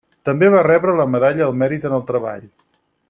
També va rebre la Medalla al Mèrit en el Treball.